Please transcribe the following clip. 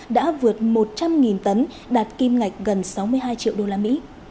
đã vượt một trăm linh tấn đạt kim ngạch gần sáu mươi hai triệu usd